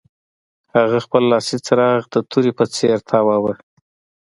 هغه خپل لاسي څراغ د تورې په څیر تاواوه